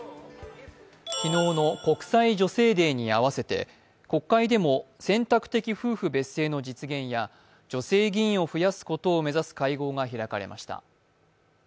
昨日の国際女性デーに合わせて国会でも選択的夫婦別姓の実現や女性議員を増やすことを目指す会合が開かれました。